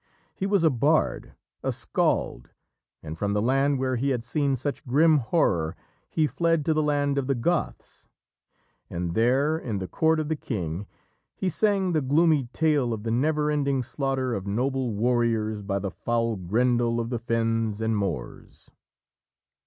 He was a bard a scald and from the land where he had seen such grim horror, he fled to the land of the Goths, and there, in the court of the king, he sang the gloomy tale of the never ending slaughter of noble warriors by the foul Grendel of the fens and moors.